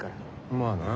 まあな。